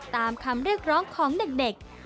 ตามคำเรียกร้องของเด็กเหมือนเพลง